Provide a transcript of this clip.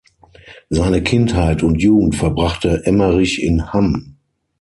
Seine Kindheit und Jugend verbrachte Emmerich in Hamm.